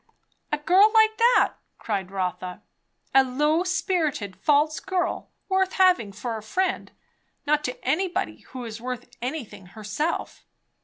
"A girl like that?" cried Rotha. "A low spirited, false girl? Worth having for a friend? Not to anybody who is worth anything herself."